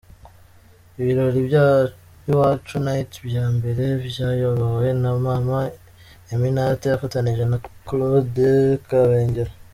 Ibirori bya Iwacu night bya mbere byayobowe na Mama Eminante afatanije na Claude Kabengera.